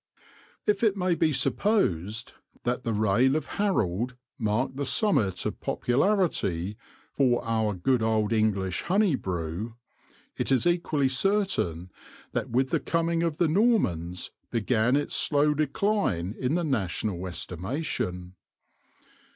If it may be supposed that the reign of Harold marked the summit of popularity for our good old English honey brew, it is equally certain that with the coming of the Normans began its slow deiine in the national estimation.